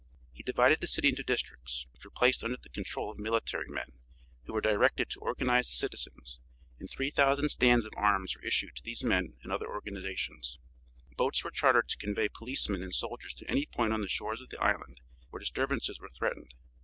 He divided the city into districts, which were placed under the control of military men, who were directed to organize the citizens; and 3,000 stands of arms were issued to these and other organizations. Boats were chartered to convey policemen and soldiers to any point on the shores of the island where disturbances were threatened.